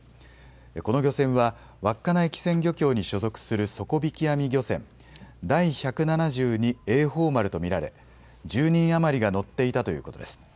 この漁船は稚内機船漁協に所属する底引き網漁船、第百七十二榮寳丸と見られ１０人余りが乗っていたということです。